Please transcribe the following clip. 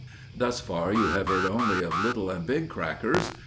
Thus far you have heard only of little and big crackers.